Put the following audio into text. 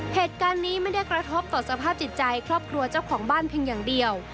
เหตุการณ์นี้ไม่ได้กระทบต่อสภาพจิตใจครอบครัวเจ้าของบ้านเพียงอย่างเดียว